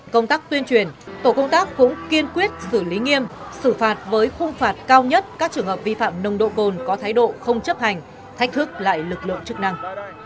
công tác tuyên truyền tổ công tác cũng kiên quyết xử lý nghiêm xử phạt với khung phạt cao nhất các trường hợp vi phạm nồng độ cồn có thái độ không chấp hành thách thức lại lực lượng chức năng